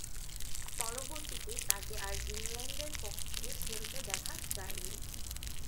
পরবর্তীতে তাকে আর ইংল্যান্ডের পক্ষে খেলতে দেখা যায়নি।